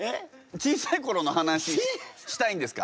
小さいころの話したいんですか？